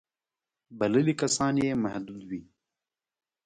بللي کسان یې محدود وي.